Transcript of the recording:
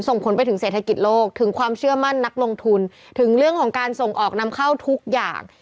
ส่งผลไปถึงเศรษฐกิจโลกถึงความเชื่อมั่นนักลงทุนถึงเรื่องของการส่งออกนำเข้าทุกอย่าง